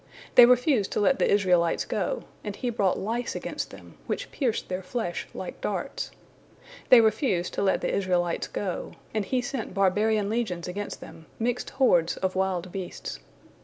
They refused to let the Israelites go, and He brought lice against them, which pierced their flesh like darts. They refused to let the Israelites go, and He sent barbarian legions against them, mixed hordes of wild beasts.